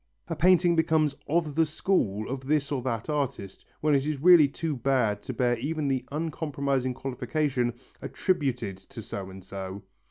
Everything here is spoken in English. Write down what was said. A painting becomes "of the school" of this or that artist when it is really too bad to bear even the uncompromising qualification, "attributed to so and so."